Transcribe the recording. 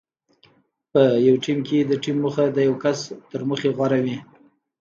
په یو ټیم کې د ټیم موخه د یو کس تر موخې غوره وي.